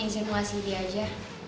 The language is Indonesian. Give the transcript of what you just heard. saya cuma insinuasi dia aja